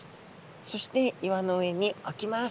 そして岩の上におきます。